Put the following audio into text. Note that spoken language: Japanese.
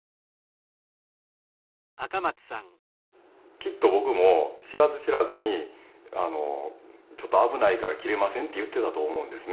きっと僕も知らず知らずに「ちょっと危ないから切れません」って言ってたと思うんですね。